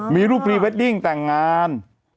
มีรูปพรีเวดดิ้งแต่งงาน